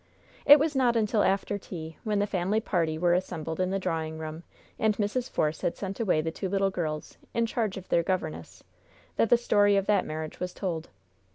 It was not until after tea, when the family party were assembled in the drawing room, and Mrs. Force had sent away the two little girls, in charge of their governess, that the story of that marriage was told.